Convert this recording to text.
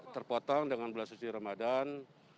terpotong dengan bulan sesi ramadhan